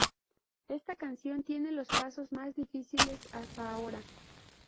Esta canción tiene los pasos más difíciles hasta ahora.